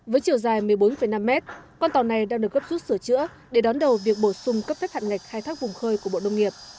với chiều dài một mươi bốn năm mét con tàu này đang được gấp rút sửa chữa để đón đầu việc bổ sung cấp phép hạn ngạch khai thác vùng khơi của bộ nông nghiệp